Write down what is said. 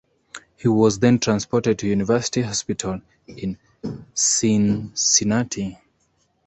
He was then transported to University Hospital in Cincinnati.